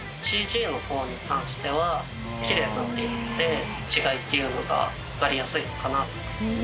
ＣＧのほうに関してはキレイになっているので違いっていうのが分かりやすいかな。